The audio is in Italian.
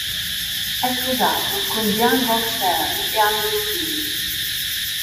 È sposato con Dianne Bock Stern, e hanno due figli.